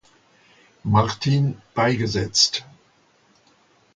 Martin beigesetzt.